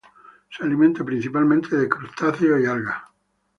Se alimenta principalmente de crustáceos y algas.